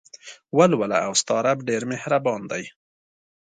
ولوله او ستا رب ډېر مهربان دى.